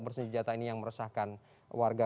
bersenjata ini yang meresahkan warga